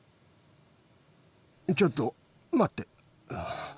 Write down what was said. ちょっと待って。